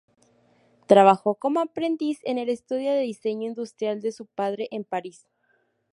Trabajó como aprendiz en el estudio de diseño industrial de su padre en París.